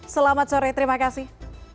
selamat sore terima kasih